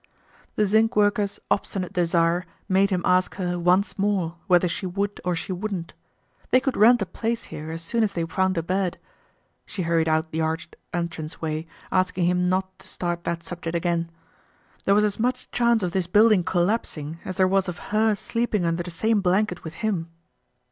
The zinc worker's obstinate desire made him ask her once more whether she would or she wouldn't. They could rent a place here as soon as they found a bed. She hurried out the arched entranceway, asking him not to start that subject again. There was as much chance of this building collapsing as there was of her sleeping under the same blanket with him.